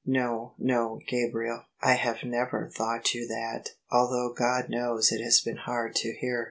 No, no, Gabriel : I have never thought you that. Although God knows it has been hard to bear.